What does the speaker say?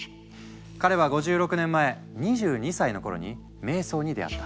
彼は５６年前２２歳の頃に瞑想に出会った。